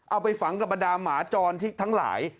เอาไปฝังกับบรรดาหมาจรที่ทั้งหลาย